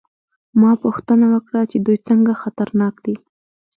ما پوښتنه وکړه چې دوی څنګه خطرناک دي